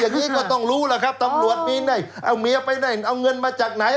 อย่างนี้ก็ต้องรู้ล่ะครับตำรวจมีเอาเมียไปไหนเอาเงินมาจากไหน